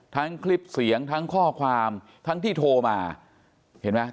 ทั้งคลิปเสียงทั้งข้อความทั้งที่โทรมาเห็นไหม